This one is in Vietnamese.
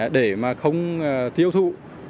để mà không thiêu thụ